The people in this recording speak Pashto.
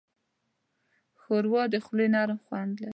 ښوروا د خولې نرم خوند لري.